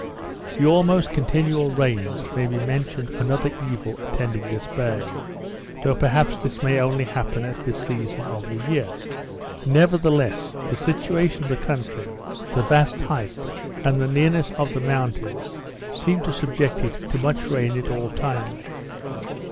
The almost continual rains may be reckoned another evil attending this bay; though perhaps this may only happen at this season of the year. Nevertheless, the situation of the country, the vast height, and nearness of the mountains, seem to subject it to much rain at all times.